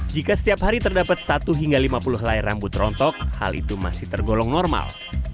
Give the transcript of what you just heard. jika setiap hari terdapat satu hingga lima puluh helai rambut rontok hal itu masih tergolong normal